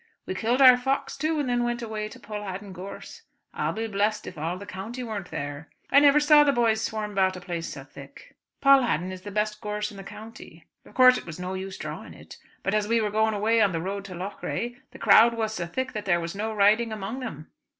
We killed our fox too and then went away to Pulhaddin gorse. I'll be blest if all the county weren't there. I never saw the boys swarm about a place so thick. Pulhaddin is the best gorse in the county. Of course it was no use drawing it; but as we were going away on the road to Loughrea the crowd was so thick that there was no riding among them.